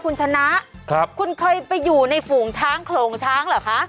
คุณชนะครับคุณเคยไปอยู่ในฝูงช้างโขลงช้างเหรอคะ